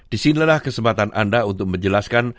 disinilah kesempatan anda untuk menjelaskan